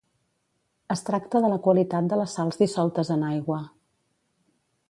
Es tracta de la qualitat de les sals dissoltes en aigua.